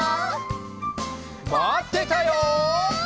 まってたよ！